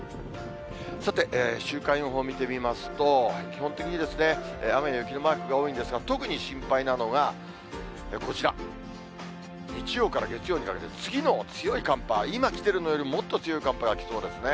さて、週間予報見てみますと、基本的に雨や雪のマークが多いんですが、特に心配なのが、こちら、日曜から月曜にかけて、次の強い寒波、今来てるのよりもっと強い寒波が来そうですね。